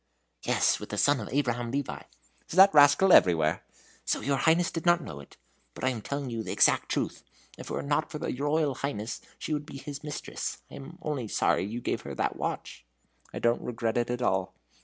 "Yes! with the son of Abraham Levi." "Is that rascal everywhere?" "So your Highness did not know it? but I am telling you the exact truth; if it were not for your Royal Highness, she would be his mistress. I am only sorry you gave her that watch." "I don't regret it at all."